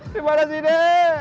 ini mana sih dek